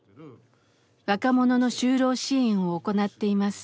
若者の就労支援を行っています。